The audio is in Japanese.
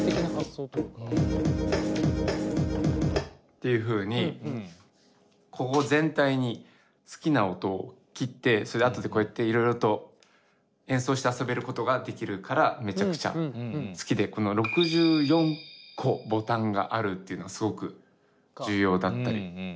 っていうふうにここ全体に好きな音を切ってそれであとでこうやっていろいろと演奏して遊べることができるからめちゃくちゃ好きでこの６４個ボタンがあるっていうのがすごく重要だったりします。